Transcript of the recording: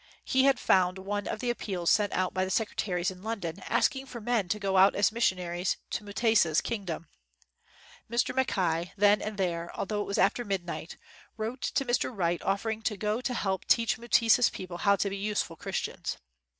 He had found one of the appeals sent out by the secretaries in Lon don asking for men to go out as missionaries to Mutesa's kingdom. Mr. Mackay, then and there, although it was after midnight, wrote to Mr. Wright offering to go to help teach Mutesa's people how to be useful Christians.